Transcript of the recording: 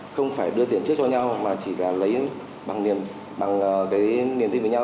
không phải đưa tiền trước cho nhau mà chỉ là lấy bằng cái niềm tin với nhau